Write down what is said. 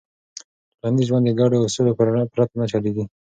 ټولنیز ژوند د ګډو اصولو پرته نه چلېږي.